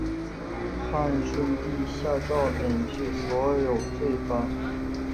汉顺帝下诏免去所有罪罚。